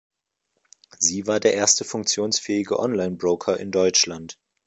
Sie war der erste funktionsfähige Online-Broker in Deutschland.